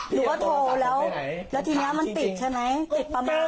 หนูก็โทรแล้วแล้วทีนี้มันปิดใช่ไหม